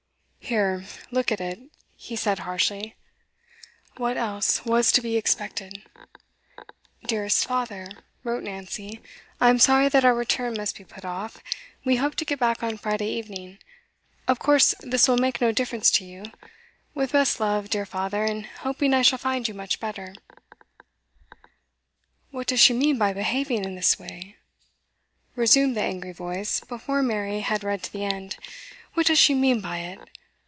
'Here, look at it,' he said harshly. 'What else was to be expected?' 'Dearest Father,' wrote Nancy, 'I am sorry that our return must be put off; we hope to get back on Friday evening. Of course this will make no difference to you. With best love, dear father, and hoping I shall find you much better ' 'What does she mean by behaving in this way?' resumed the angry voice, before Mary had read to the end. 'What does she mean by it?